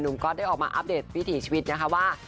หนุ่มก๊อตได้ออกมาอัพเดทพิธีชีวิตนะคะว่า